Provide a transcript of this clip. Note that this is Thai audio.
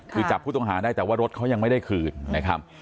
คือจับผู้ต้องหาได้แต่ว่ารถเขายังไม่ได้คืนนะครับ